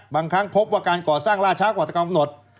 บางครั้งพบว่าการก่อสร้างล่าช้ากว่าจะกำหนด